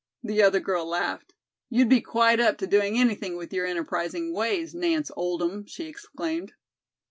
The other girl laughed. "You'd be quite up to doing anything with your enterprising ways, Nance Oldham," she exclaimed.